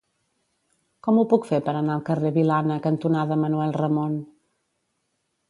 Com ho puc fer per anar al carrer Vilana cantonada Manuel Ramon?